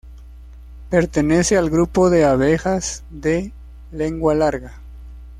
Pertenecen al grupo de abejas de lengua larga.